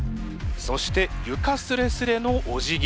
そして床すれすれのお辞儀。